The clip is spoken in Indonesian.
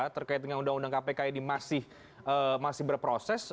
terkait dengan undang undang kpk ini masih berproses